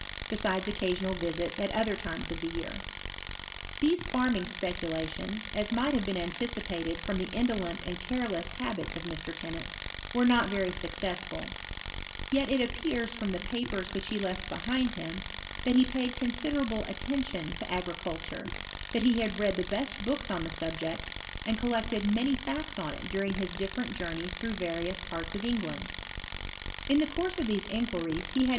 besides occasional visita at other times* of ar. These farming speculations^ as mights ecai anticipated fVom the indolent and careles9 of Mr. Tennant, were not very successful, appears fhim the papers which he left behind hat he paid considerable attention to agricul lat he had read the best books on the subject, •llected many facts on it during his different ys through various parts of England. In tiie of these inquiries he had.